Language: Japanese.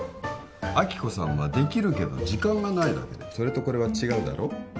亜希子さんはできるけど時間がないだけでそれとこれは違うだろ？